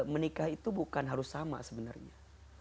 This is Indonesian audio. menikah itu bukan harus sama sebenarnya